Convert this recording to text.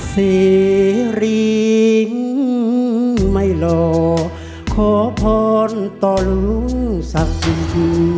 เซรีย์ไม่รอขอพรต่อลุงศักดิ์สุด